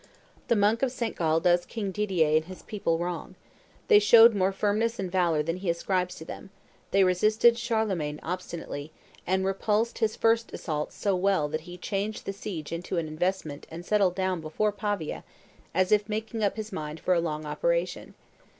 The monk of St. Gall does King Didier and his people wrong. They showed more firmness and valor than he ascribes to them: they resisted Charlemagne obstinately, and repulsed his first assaults so well that he changed the siege into an investment and settled down before Pavia, as if making up his mind for a long operation.